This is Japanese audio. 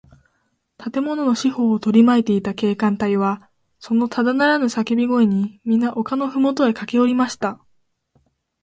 建物の四ほうをとりまいていた警官隊は、そのただならぬさけび声に、みな丘のふもとへかけおりました。